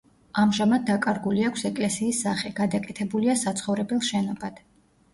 ამჟამად დაკარგული აქვს ეკლესიის სახე, გადაკეთებულია საცხოვრებელ შენობად.